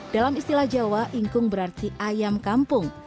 dalam istilah jawa ingkung berarti ayam kampung